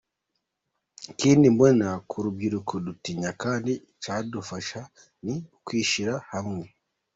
Ikindi mbona nk’urubyiruko dutinya kandi cyadufasha ni ukwishyira hamwe.